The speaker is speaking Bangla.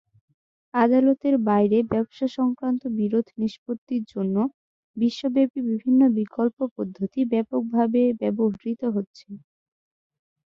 আদালতের বাইরে ব্যবসাসংক্রান্ত বিরোধ নিষ্পত্তির জন্য বিশ্বব্যাপী বিভিন্ন বিকল্প পদ্ধতি ব্যাপকভাবে ব্যবহূত হচ্ছে।